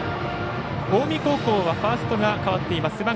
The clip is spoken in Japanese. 近江高校はファーストが代わっています。